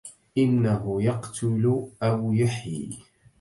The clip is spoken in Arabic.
إنه يقتل أويحيي